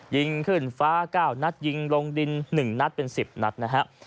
ยิงขึ้นฟ้า๙นัดยิงลงดิน๑นัดเป็น๑๐นัดนะครับ